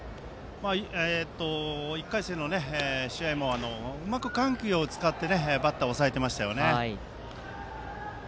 １回戦の試合もうまく緩急を使ってバッターを抑えていましたよね。